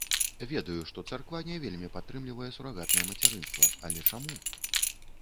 Ведаю, што царква не вельмі падтрымлівае сурагатнае мацярынства, але чаму?